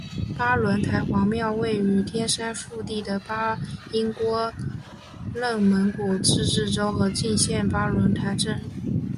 巴仑台黄庙位于天山腹地的巴音郭楞蒙古自治州和静县巴仑台镇。